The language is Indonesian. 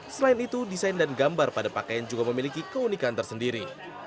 selain itu desain dan gambar pada pakaian juga memiliki keunikan tersendiri